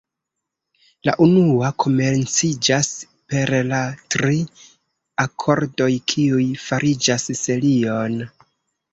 La unua komenciĝas per la tri akordoj kiuj fariĝas serion.